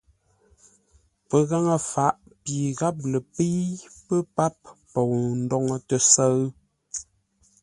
Pəghaŋə faʼ pi gháp lə pə́i pə́ páp pou ndóŋə́ tə́sə́ʉ.